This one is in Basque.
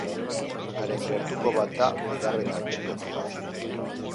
Haren gertuko bat da bigarren atxilotua.